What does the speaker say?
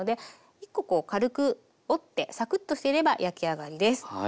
１コ軽く折ってサクッとしていれば焼き上がりです。